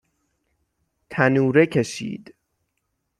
تنوره کشید